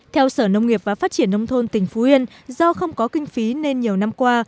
theo sở nông nghiệp và phát triển nông thôn tỉnh phú yên do không có kinh phí nên nhiều năm qua